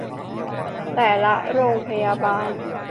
แต่ละโรงพยาบาล